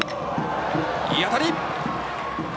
いい当たり！